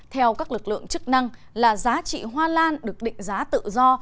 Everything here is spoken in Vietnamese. theo các lực lượng chức năng là giá trị hoa lan được định giá tự do